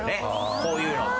こういうのって。